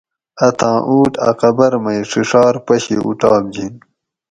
اتھاۤں اُوٹ اۤ قبر مئ ڛڛار پشی اُوٹاپ جِن